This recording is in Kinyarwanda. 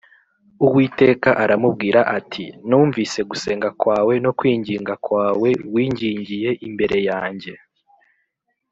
Uwiteka aramubwira ati “Numvise gusenga kwawe no kwinginga kwawe wingingiye imbere yanjye